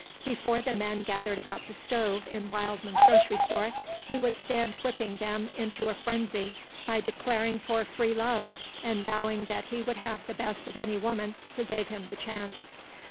Before the men gathered about the stove in Wildman's grocery store he would stand whipping them into a frenzy by declaring for free love, and vowing that he would have the best of any woman who gave him the chance.